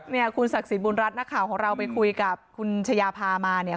เนี่ยคุณศักดิ์สิทธิบุญรัฐนักข่าวของเราไปคุยกับคุณชายาพามาเนี่ย